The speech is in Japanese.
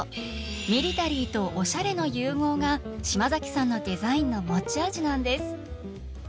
ミリタリーとオシャレの融合が嶋さんのデザインの持ち味なんです。